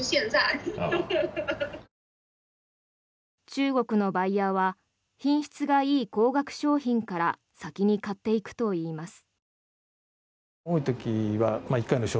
中国のバイヤーは品質がいい高額商品から先に買っていくといいます。